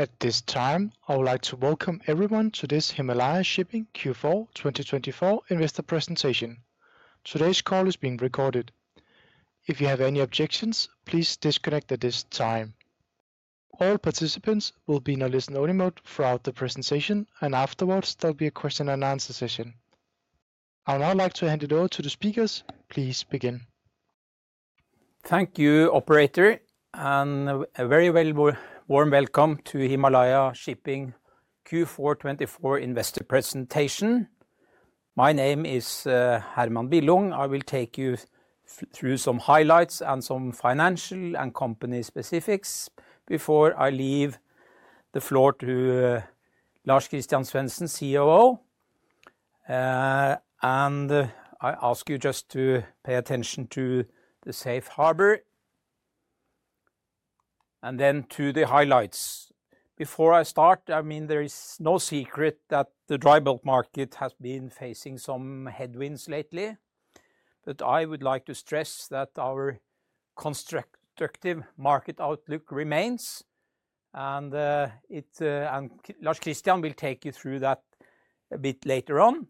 At this time, I would like to welcome everyone to this Himalaya Shipping Q4 2024 investor presentation. Today's call is being recorded. If you have any objections, please disconnect at this time. All participants will be in a listen-only mode throughout the presentation, and afterwards, there will be a question-and-answer session. I would now like to hand it over to the speakers. Please begin. Thank you, Operator, and a very warm welcome to Himalaya Shipping Q4 2024 investor presentation. My name is Herman Billung. I will take you through some highlights and some financial and company specifics before I leave the floor to Lars-Christian Svensen, COO. And I ask you just to pay attention to the safe harbor and then to the highlights. Before I start, I mean, there is no secret that the dry bulk market has been facing some headwinds lately, but I would like to stress that our constructive market outlook remains. And Lars-Christian will take you through that a bit later on.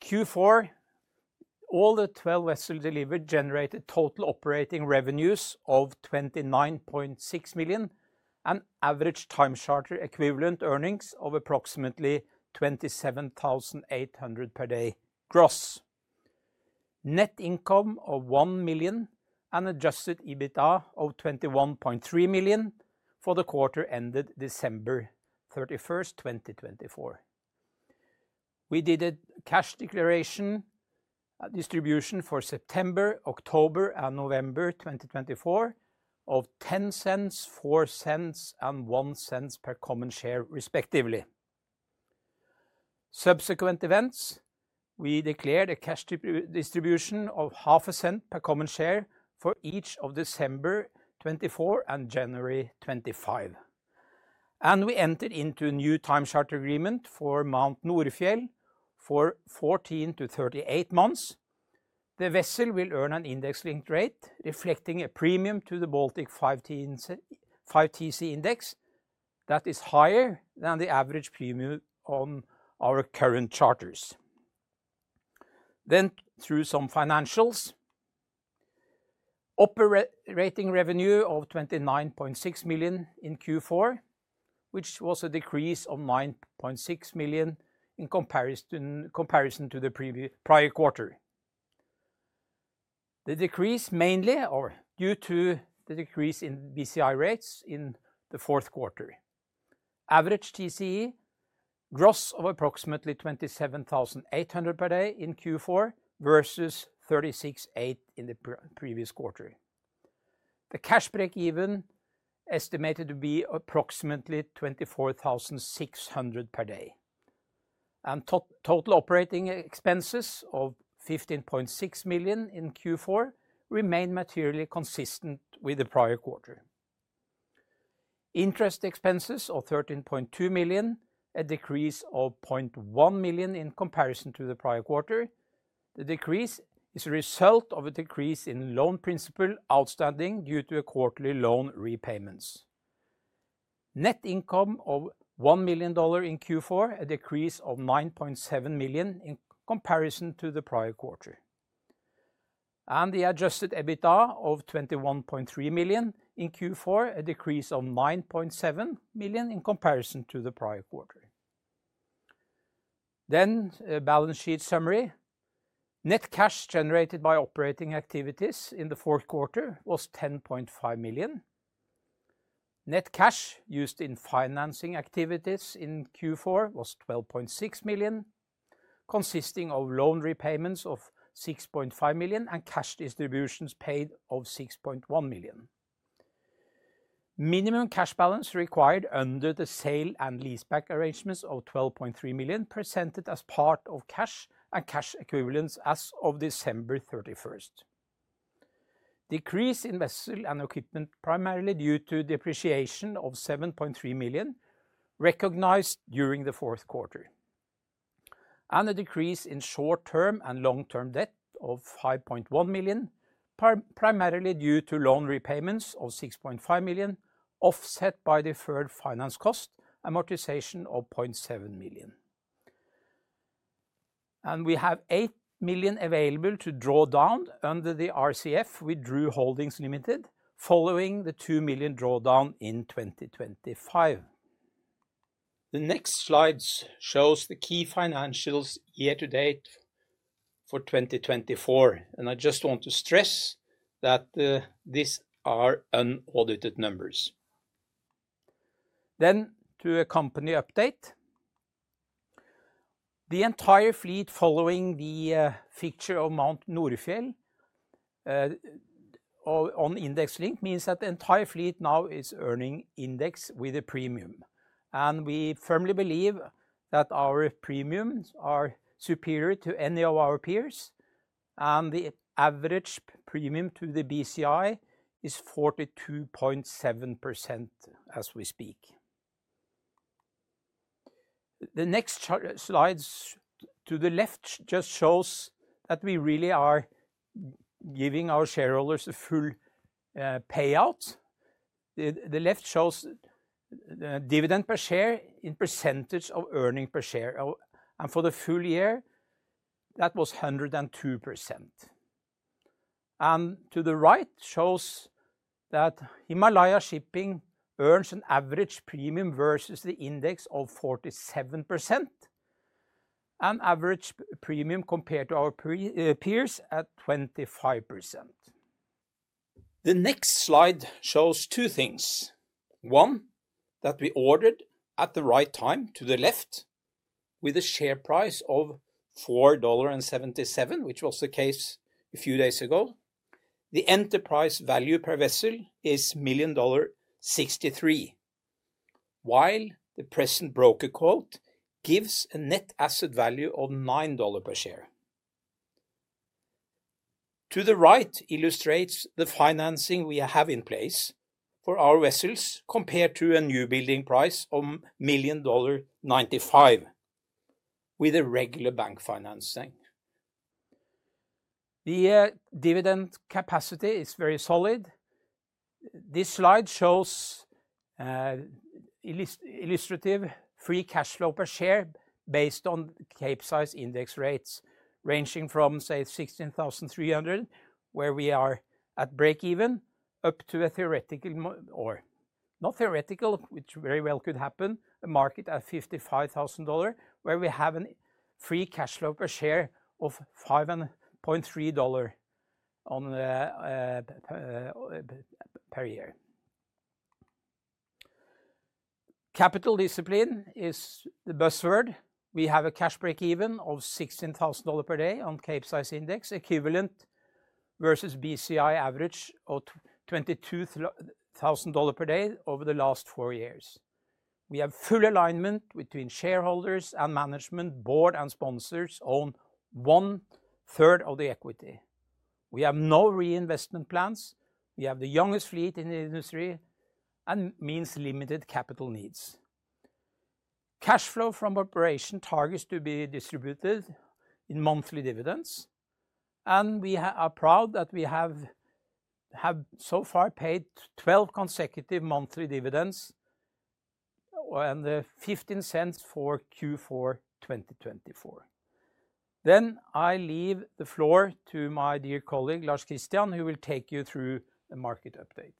Q4, all the 12 vessels delivered generated total operating revenues of $29.6 million and average time charter equivalent earnings of approximately $27,800 per day gross. Net income of $1 million and adjusted EBITDA of $21.3 million for the quarter ended December 31st, 2024. We did a cash declaration distribution for September, October, and November 2024 of $0.10, $0.04, and $0.01 per common share, respectively. Subsequent events, we declared a cash distribution of $0.005 per common share for each of December 2024 and January 2025, and we entered into a new time charter agreement for Mount Norefjell for 14 months-38 months. The vessel will earn an index-linked rate reflecting a premium to the Baltic 5TC index that is higher than the average premium on our current charters. Then, through some financials, operating revenue of $29.6 million in Q4, which was a decrease of $9.6 million in comparison to the prior quarter. The decrease mainly due to the decrease in BCI rates in the fourth quarter. Average TCE gross of approximately 27,800 per day in Q4 versus 36,800 in the previous quarter. The cash break-even estimated to be approximately $24,600 per day. Total operating expenses of $15.6 million in Q4 remained materially consistent with the prior quarter. Interest expenses of $13.2 million, a decrease of $0.1 million in comparison to the prior quarter. The decrease is a result of a decrease in loan principal outstanding due to quarterly loan repayments. Net income of $1 million in Q4, a decrease of $9.7 million in comparison to the prior quarter. The adjusted EBITDA of $21.3 million in Q4, a decrease of $9.7 million in comparison to the prior quarter. Balance sheet summary. Net cash generated by operating activities in the fourth quarter was $10.5 million. Net cash used in financing activities in Q4 was $12.6 million, consisting of loan repayments of $6.5 million and cash distributions paid of $6.1 million. Minimum cash balance required under the sale and leaseback arrangements of $12.3 million presented as part of cash and cash equivalents as of December 31st. Decrease in vessel and equipment primarily due to depreciation of $7.3 million recognized during the fourth quarter. And a decrease in short-term and long-term debt of $5.1 million, primarily due to loan repayments of $6.5 million, offset by deferred finance cost amortization of $0.7 million. And we have $8 million available to draw down under the RCF with Drew Holdings Limited following the $2 million drawdown in 2025. The next slides show the key financials year to date for 2024. And I just want to stress that these are unaudited numbers. Then, to a company update. The entire fleet following the fixture of Mount Norefjell on index-linked means that the entire fleet now is earning index with a premium. We firmly believe that our premiums are superior to any of our peers. The average premium to the BCI is 42.7% as we speak. The next slides to the left just shows that we really are giving our shareholders a full payout. The left shows dividend per share in percentage of earnings per share. For the full year, that was 102%. To the right shows that Himalaya Shipping earns an average premium versus the index of 47%. Average premium compared to our peers at 25%. The next slide shows two things. One, that we ordered at the right time to the left with a share price of $4.77, which was the case a few days ago. The enterprise value per vessel is $1,000,063 while the present broker quote gives a net asset value of $9 per share. To the right illustrates the financing we have in place for our vessels compared to a new building price of $1,000,095 with a regular bank financing. The dividend capacity is very solid. This slide shows illustrative free cash flow per share based on Capesize index rates ranging from, say, 16,300, where we are at breakeven up to a theoretical, or not theoretical, which very well could happen, a market at $55,000, where we have a free cash flow per share of $5.3 per year. Capital discipline is the buzzword. We have a cash break-even of $16,000 per day on Capesize index equivalent versus BCI average of $22,000 per day over the last four years. We have full alignment between shareholders and management board and sponsors on one third of the equity. We have no reinvestment plans. We have the youngest fleet in the industry and means limited capital needs. Cash flow from operation targets to be distributed in monthly dividends. And we are proud that we have so far paid 12 consecutive monthly dividends and $0.15 for Q4 2024. Then I leave the floor to my dear colleague, Lars-Christian, who will take you through the market update.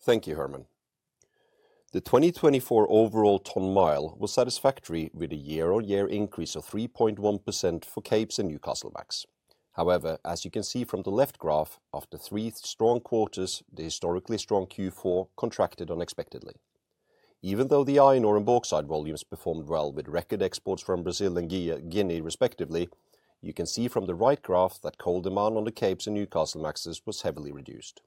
Thank you, Herman. The 2024 overall ton-mile was satisfactory with a year-on-year increase of 3.1% for Capes and Newcastlemax. However, as you can see from the left graph, after three strong quarters, the historically strong Q4 contracted unexpectedly. Even though the iron ore and bauxite volumes performed well with record exports from Brazil and Guinea, respectively, you can see from the right graph that coal demand on the Capes and Newcastlemaxes was heavily reduced.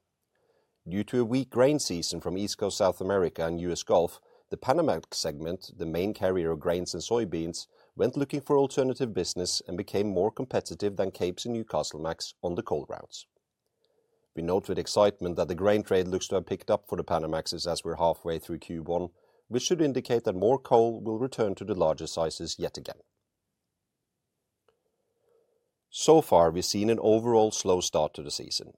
Due to a weak grain season from East Coast South America and US Gulf, the Panamax segment, the main carrier of grains and soybeans, went looking for alternative business and became more competitive than Capes and Newcastlemax on the coal routes. We note with excitement that the grain trade looks to have picked up for the Panamaxes as we're halfway through Q1, which should indicate that more coal will return to the larger sizes yet again. So far, we've seen an overall slow start to the season.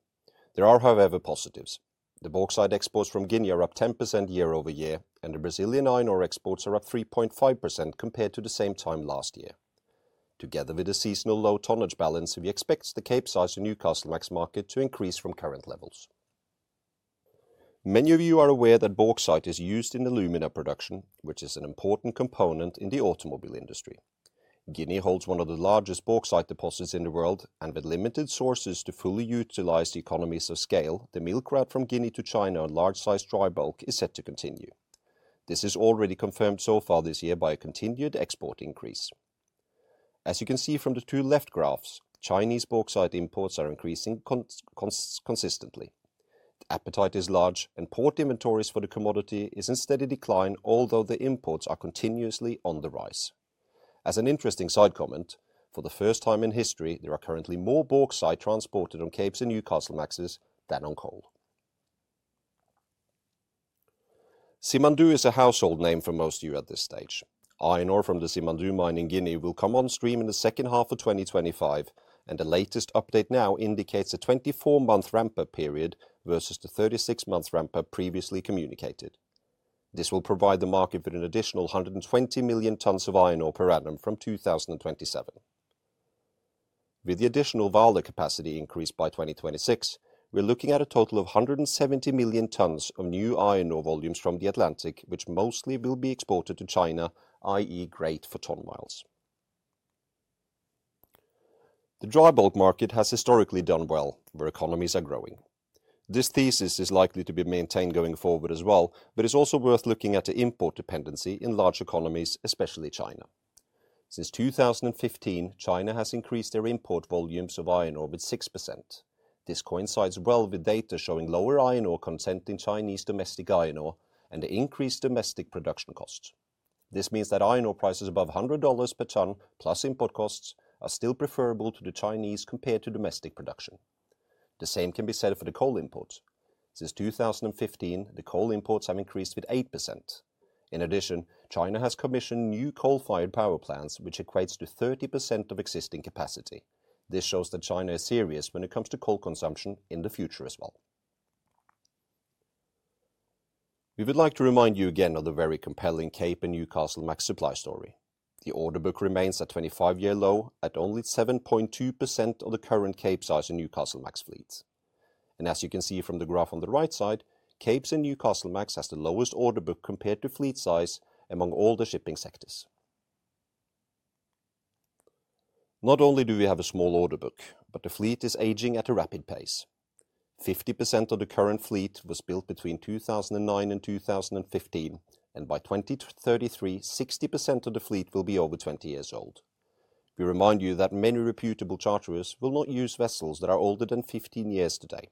There are, however, positives. The bauxite exports from Guinea are up 10% year over year, and the Brazilian iron ore exports are up 3.5% compared to the same time last year. Together with a seasonal low tonnage balance, we expect the Capesize and Newcastlemax market to increase from current levels. Many of you are aware that bauxite is used in alumina production, which is an important component in the automobile industry. Guinea holds one of the largest bauxite deposits in the world, and with limited sources to fully utilize the economies of scale, the milk route from Guinea to China on large-sized dry bulk is set to continue. This is already confirmed so far this year by a continued export increase. As you can see from the two left graphs, Chinese bauxite imports are increasing consistently. The appetite is large, and port inventories for the commodity are in steady decline, although the imports are continuously on the rise. As an interesting side comment, for the first time in history, there are currently more bauxite transported on Capesize and Newcastlemaxes than on coal. Simandou is a household name for most of you at this stage. Iron ore from the Simandou mine in Guinea will come on stream in the second half of 2025, and the latest update now indicates a 24-month ramp-up period versus the 36-month ramp-up previously communicated. This will provide the market with an additional 120 million tons of iron ore per annum from 2027. With the additional Vale capacity increased by 2026, we're looking at a total of 170 million tons of new iron ore volumes from the Atlantic, which mostly will be exported to China, i.e., great for ton miles. The dry bulk market has historically done well, where economies are growing. This thesis is likely to be maintained going forward as well, but it's also worth looking at the import dependency in large economies, especially China. Since 2015, China has increased their import volumes of iron ore by 6%. This coincides well with data showing lower iron ore content in Chinese domestic iron ore and an increased domestic production cost. This means that iron ore prices above $100 per ton, plus import costs, are still preferable to the Chinese compared to domestic production. The same can be said for the coal imports. Since 2015, the coal imports have increased with 8%. In addition, China has commissioned new coal-fired power plants, which equates to 30% of existing capacity. This shows that China is serious when it comes to coal consumption in the future as well. We would like to remind you again of the very compelling Cape and Newcastle Max supply story. The order book remains at 25-year low at only 7.2% of the current Cape size and Newcastle Max fleets. As you can see from the graph on the right side, Capesize and Newcastlemax has the lowest order book compared to fleet size among all the shipping sectors. Not only do we have a small order book, but the fleet is aging at a rapid pace. 50% of the current fleet was built between 2009 and 2015, and by 2033, 60% of the fleet will be over 20 years old. We remind you that many reputable charterers will not use vessels that are older than 15 years today.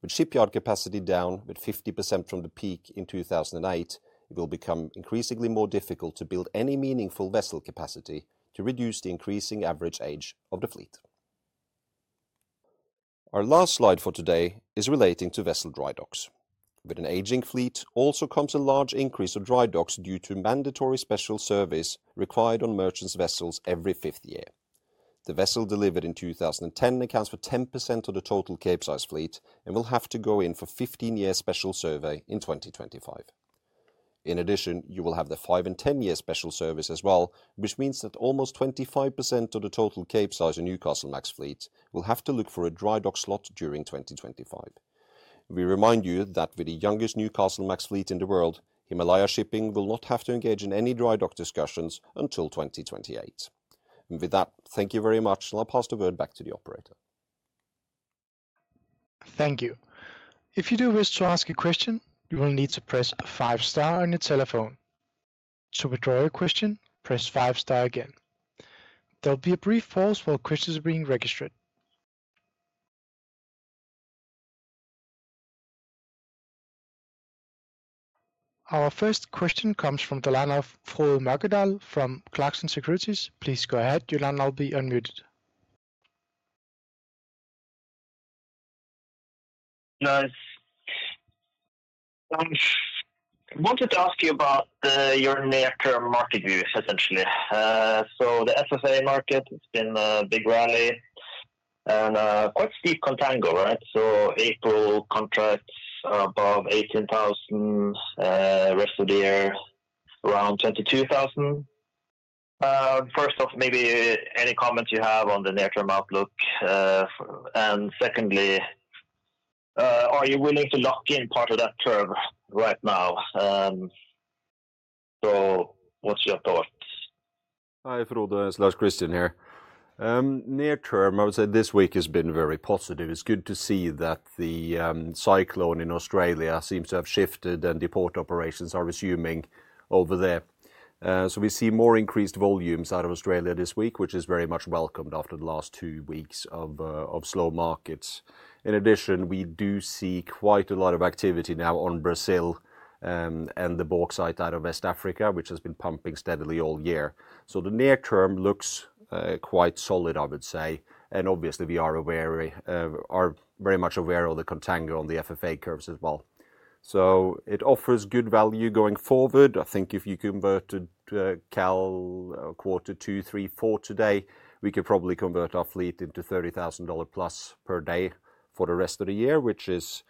With shipyard capacity down 50% from the peak in 2008, it will become increasingly more difficult to build any meaningful vessel capacity to reduce the increasing average age of the fleet. Our last slide for today is relating to vessel dry docks. With an aging fleet, also comes a large increase of dry docks due to mandatory special surveys required on merchant vessels every fifth year. The vessel delivered in 2010 accounts for 10% of the total Capesize fleet and will have to go in for 15-year special survey in 2025. In addition, you will have the 5-year and 10-year special surveys as well, which means that almost 25% of the total Capesize and Newcastlemax fleet will have to look for a dry dock slot during 2025. We remind you that with the youngest Newcastlemax fleet in the world, Himalaya Shipping will not have to engage in any dry dock discussions until 2028. And with that, thank you very much, and I'll pass the word back to the operator. Thank you. If you do wish to ask a question, you will need to press a five-star on your telephone. To withdraw your question, press five-star again. There'll be a brief pause while questions are being registered. Our first question comes from Frode Mørkedal from Clarksons Securities. Please go ahead, Frode, I'll be unmuted. Nice. I wanted to ask you about your near-term market views, essentially. So the FFA market has been a big rally and quite steep contango, right? So April contracts above 18,000, rest of the year around 22,000. First off, maybe any comments you have on the near-term outlook? And secondly, are you willing to lock in part of that curve right now? So what's your thoughts? Hi, Frode, it's Lars-Christian here. Near-term, I would say this week has been very positive. It's good to see that the cyclone in Australia seems to have shifted and the port operations are resuming over there. So we see more increased volumes out of Australia this week, which is very much welcomed after the last two weeks of slow markets. In addition, we do see quite a lot of activity now on Brazil and the bauxite out of West Africa, which has been pumping steadily all year. So the near-term looks quite solid, I would say. And obviously, we are very much aware of the contango on the FFA curves as well. So it offers good value going forward. I think if you converted calendar quarter two, three, four today, we could probably convert our fleet into $30,000 plus per day for the rest of the year, which is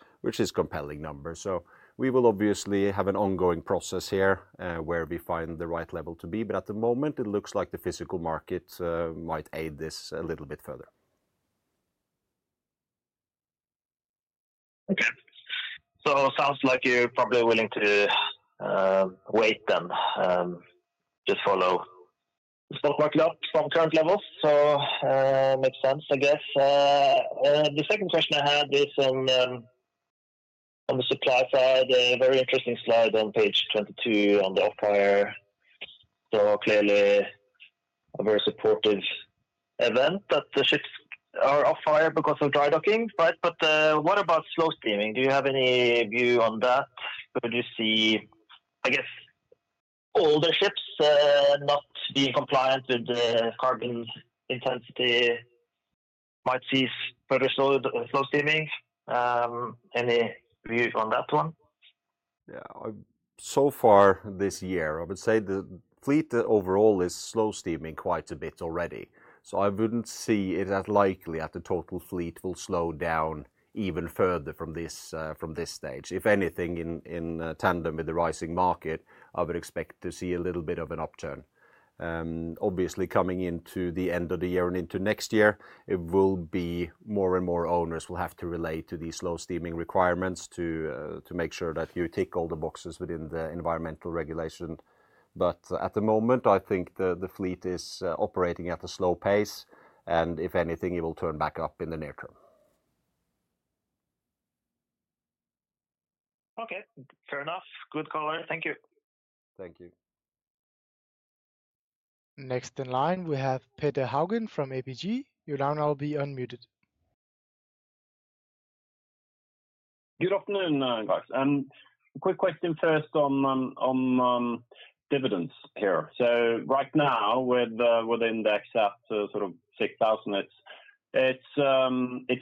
compelling numbers. So we will obviously have an ongoing process here where we find the right level to be. But at the moment, it looks like the physical market might aid this a little bit further. Okay. So it sounds like you're probably willing to wait then, just follow the stock market up from current levels. So it makes sense, I guess. The second question I had is on the supply side, a very interesting slide on page 22 on the off-hire. So clearly, a very supportive event that the ships are off-hire because of dry docking, right? But what about slow steaming? Do you have any view on that? Could you see, I guess, older ships not being compliant with the carbon intensity might cease further slow steaming? Any view on that one? Yeah. So far this year, I would say the fleet overall is slow steaming quite a bit already. So I wouldn't see it as likely that the total fleet will slow down even further from this stage. If anything, in tandem with the rising market, I would expect to see a little bit of an upturn. Obviously, coming into the end of the year and into next year, it will be more and more owners will have to relate to these slow steaming requirements to make sure that you tick all the boxes within the environmental regulation. But at the moment, I think the fleet is operating at a slow pace, and if anything, it will turn back up in the near term. Okay. Fair enough. Good caller. Thank you. Thank you. Next in line, we have Petter Haugen from ABG. Your line, now be unmuted. Good afternoon, guys. A quick question first on dividends here. So right now, with the index at sort of 6,000, it's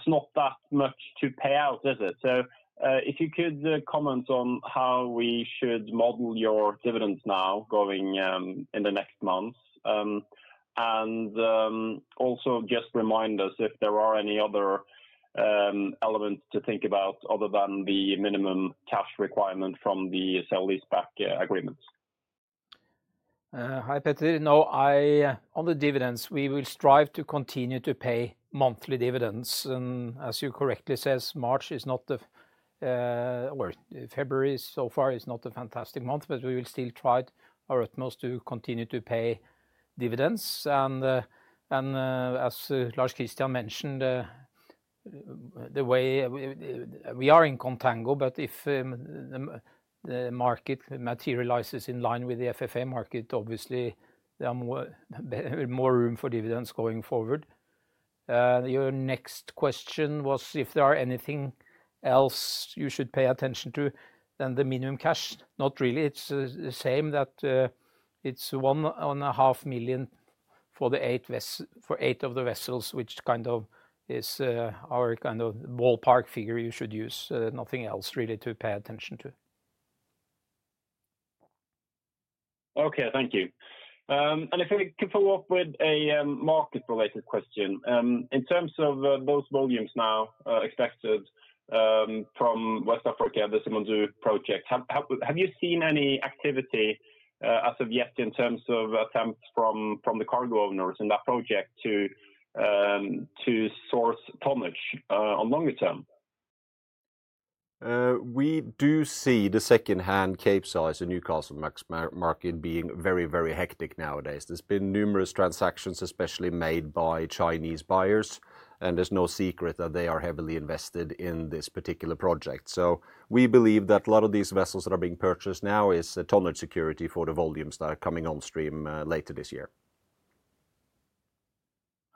not that much to pay out, is it? So if you could comment on how we should model your dividends now going in the next months, and also just remind us if there are any other elements to think about other than the minimum cash requirement from the sale lease back agreements. Hi, Petter. No, on the dividends, we will strive to continue to pay monthly dividends. And as you correctly say, March is not the—or February so far is not a fantastic month, but we will still try our utmost to continue to pay dividends. And as Lars-Christian mentioned, the way we are in contango, but if the market materializes in line with the FFA market, obviously, there will be more room for dividends going forward. Your next question was if there is anything else you should pay attention to, then the minimum cash, not really. It's the same that it's $1.5 million for eight of the vessels, which kind of is our kind of ballpark figure you should use. Nothing else really to pay attention to. Okay, thank you. And if we could follow up with a market-related question. In terms of those volumes now expected from West Africa and the Simandou project, have you seen any activity as of yet in terms of attempts from the cargo owners in that project to source tonnage on longer term? We do see the second-hand Capesize and Newcastlemax market being very, very hectic nowadays. There's been numerous transactions, especially made by Chinese buyers, and there's no secret that they are heavily invested in this particular project, so we believe that a lot of these vessels that are being purchased now is a tonnage security for the volumes that are coming on stream later this year.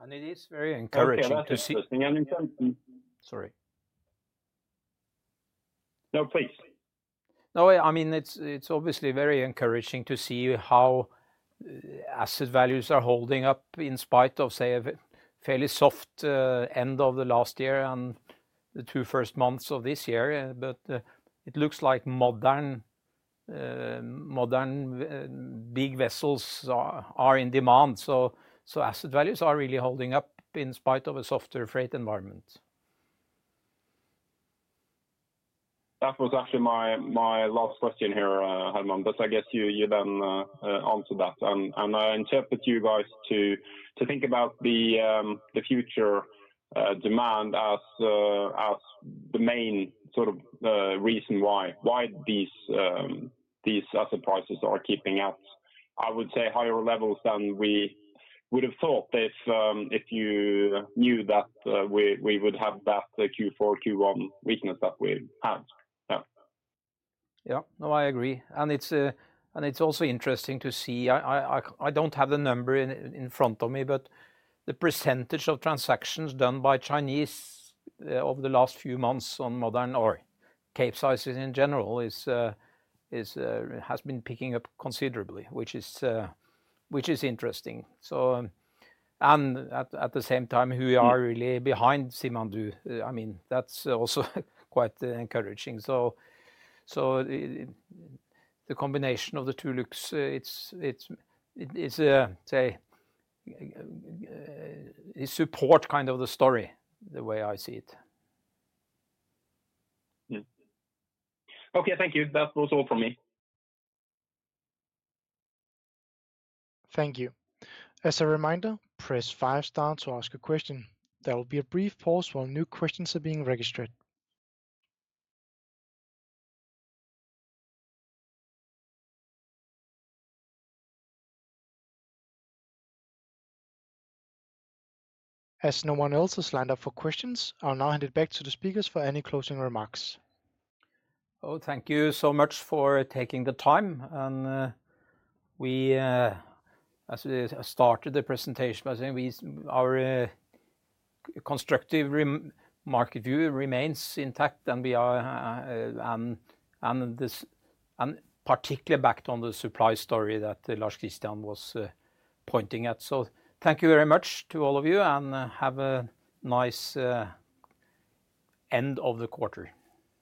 It is very encouraging to see. Thank you for asking that question. Sorry. No, please. No, I mean, it's obviously very encouraging to see how asset values are holding up in spite of, say, a fairly soft end of the last year and the two first months of this year. But it looks like modern big vessels are in demand. So asset values are really holding up in spite of a softer freight environment. That was actually my last question here, Herman, but I guess you then answered that. And I interpret you guys to think about the future demand as the main sort of reason why these asset prices are keeping at, I would say, higher levels than we would have thought if you knew that we would have that Q4, Q1 weakness that we had. Yeah. Yeah, no, I agree. And it's also interesting to see, I don't have the number in front of me, but the percentage of transactions done by Chinese over the last few months on modern ore Capesizes in general has been picking up considerably, which is interesting. And at the same time, who we are really behind Simandou, I mean, that's also quite encouraging. So the combination of the two looks, it's a support kind of the story, the way I see it. Okay, thank you. That was all from me. Thank you. As a reminder, press five-star to ask a question. There will be a brief pause while new questions are being registered. As no one else has lined up for questions, I'll now hand it back to the speakers for any closing remarks. Oh. Thank you so much for taking the time. We, as we started the presentation, our constructive market view remains intact, and particularly backed on the supply story that Lars-Christian was pointing at. Thank you very much to all of you, and have a nice end of the quarter.